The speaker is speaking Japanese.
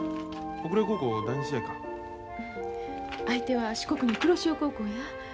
相手は四国の黒潮高校や。